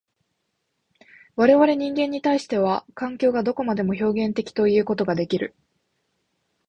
我々人間に対しては、環境がどこまでも表現的ということができる。